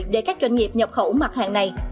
để các doanh nghiệp nhập khẩu mặt hàng này